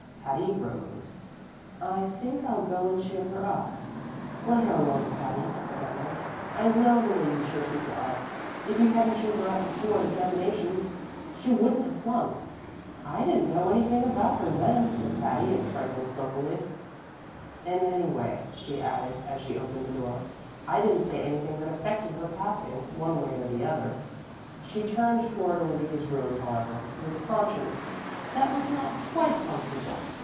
Patty rose. "I think I'll go and cheer her up." "Let her alone, Patty," said Emily. "I know the way you cheer people up. If you hadn't cheered her up before examinations she wouldn't have flunked." "I didn't know anything about her then," said Patty, a trifle sulkily; "and, anyway," she added as she opened the door, "I didn't say anything that affected her passing, one way or the other." She turned toward Olivia's room, however, with a conscience that was not quite comfortable.